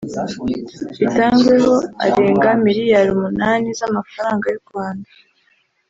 itangweho arenga miliyari umunani z’amafaranga y’u Rwanda